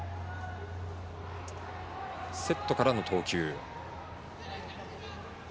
セットからの投球。